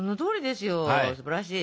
すばらしい！